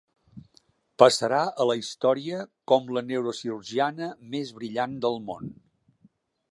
Passarà a la història com la neurocirurgiana més brillant del món.